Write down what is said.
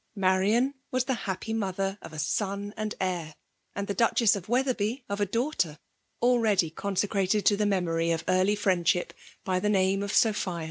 Marian was the happy mother of a son and heir ; and the Duchess of Wetherby of a daughter, already consecrated to the memory of early friendship, by the name of Sophia.